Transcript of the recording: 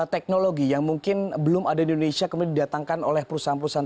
teknologi yang mungkin belum ada di indonesia kemudian didatangkan oleh perusahaan perusahaan